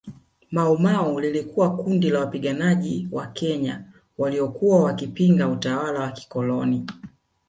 Maumau lilikuwa kundi la wapiganaji wa Kenya waliokuwa wakipinga utawala wa kikoloni